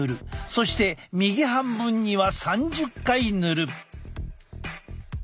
そして右半分には３０回塗る。